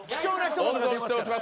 温存しておきます。